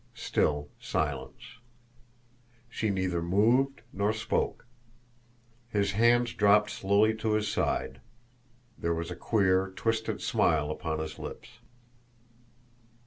Still silence. She neither moved nor spoke. His hand dropped slowly to his side. There was a queer, twisted smile upon his lips.